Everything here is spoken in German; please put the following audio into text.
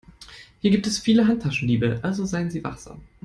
Hier gibt es viele Handtaschendiebe, also seien Sie wachsam.